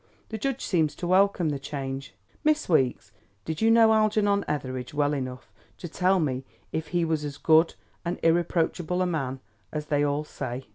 The judge seems to welcome the change. Miss Weeks, did you know Algernon Etheridge well enough to tell me if he was as good and irreproachable a man as they all say?"